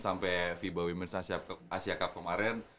sampai fiba women asia cup kemarin